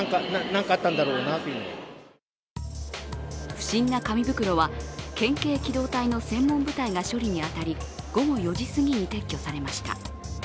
不審な紙袋は、県警機動隊の専門部隊が処理に当たり午後４時すぎに撤去されました。